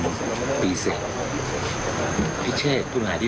สารนี้พี่ภาพสาร๓๐ปี